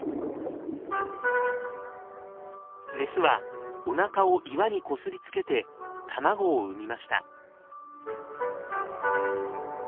メスはおなかを岩にこすりつけて卵を産みました。